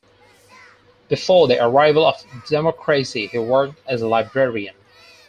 Before the arrival of democracy he worked as a librarian.